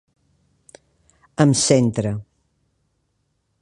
Em centra.